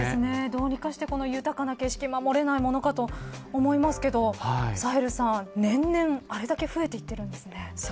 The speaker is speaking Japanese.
どうにかして、この豊かな景色を守れないものかと思いますけれど年々あれだけ増えていっているんですね。